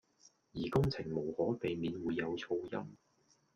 而工程無可避免會有噪音